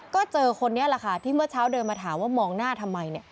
ก็เจอคนนี้แหละค่ะที่เมื่อเช้าเดินมาถามว่ามองหน้าทำไม